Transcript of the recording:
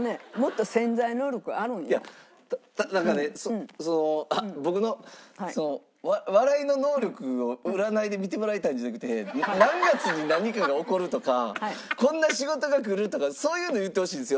あのねだからその僕の笑いの能力を占いで見てもらいたいんじゃなくて何月に何かが起こるとかこんな仕事がくるとかそういうの言ってほしいんですよ。